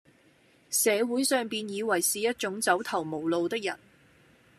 社會上便以爲是一種走投無路的人，